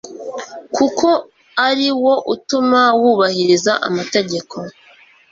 kuko ari wo utuma wubahiriza amategeko